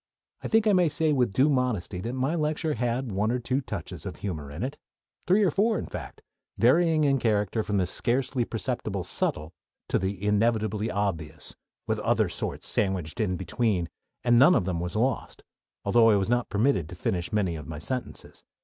I think I may say with due modesty that my lecture had one or two touches of humor in it three or four, in fact varying in character from the "scarcely perceptible subtle" to the "inevitably obvious," with other sorts sandwiched in between, and none of them was lost; although I was not permitted to finish many of my sentences.